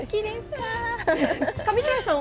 上白石さん